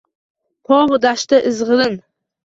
Tog‘u dashtda izg‘irin –